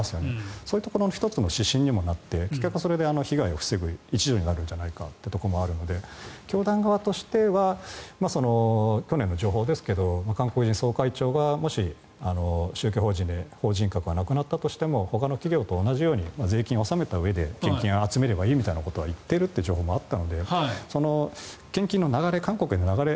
そういうところの１つの指針にもなって被害を防ぐ一助になるんじゃないかというところもあるので教団側としては去年の情報ですが韓国人総会長が、もし宗教法人で法人格がなくなったとしてもほかの企業と同じように税金を納めたうえで献金を集めればいいみたいなことを言っているという情報もあったので献金の流れ、韓国の流れ